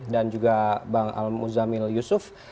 juga bang al muzamil yusuf